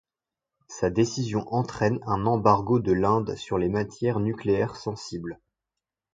Sa décision entraîne un embargo de l'Inde sur les matières nucléaires sensibles.